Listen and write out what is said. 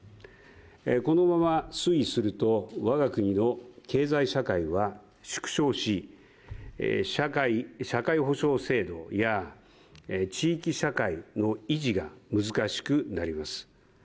このまま推移すると我が国の経済社会は縮小し、社会保障制度や地域社会の維持が難しくなります。